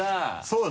そう！